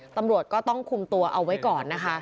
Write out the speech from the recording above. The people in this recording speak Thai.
ตำรวจก็ต้องคุมตัวเอาไว้ก่อนนะคะ